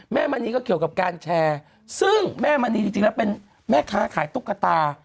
มณีก็เกี่ยวกับการแชร์ซึ่งแม่มณีจริงแล้วเป็นแม่ค้าขายตุ๊กตา